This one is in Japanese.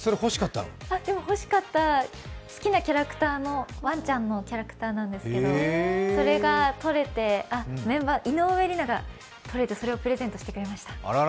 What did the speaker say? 欲しかった、好きなワンちゃんのキャラクターなんですけど、それが取れて、メンバーの井上がそれをプレゼントしてくれました。